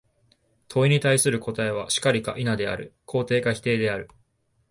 問に対する答は、「然り」か「否」である、肯定か否定である。